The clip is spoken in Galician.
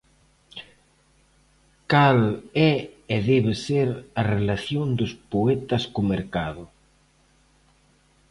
Cal é e debe ser a relación dos poetas co mercado?